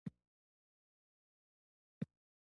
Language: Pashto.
ما یې د غږ ثبتولو نیت کړی و.